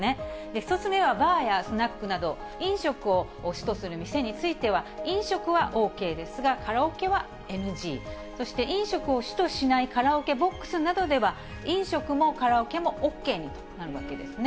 １つ目はバーやスナックなど、飲食を主とする店については、飲食はＯＫですが、カラオケはＮＧ、そして飲食を主としないカラオケボックスなどでは、飲食もカラオケもＯＫになるわけですね。